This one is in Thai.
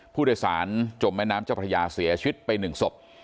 ผู้โดยศาลจบแม่น้ำเจ้าประยาเสียชิตไปหนึ่งศพ